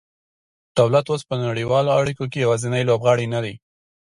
دولت اوس په نړیوالو اړیکو کې یوازینی لوبغاړی نه دی